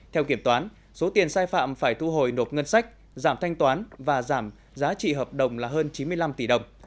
theo kiểm toán số tiền sai phạm phải thu hồi nộp ngân sách giảm thanh toán và giảm giá trị hợp đồng là hơn chín mươi năm tỷ đồng